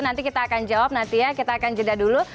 nanti kita akan jawab nanti ya kita akan jeda dulu